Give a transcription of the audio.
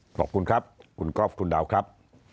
ขอบคุณครับคุณก๊อฟคุณดาวครับ